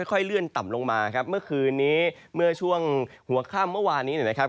ค่อยเลื่อนต่ำลงมาครับเมื่อคืนนี้เมื่อช่วงหัวค่ำเมื่อวานนี้นะครับ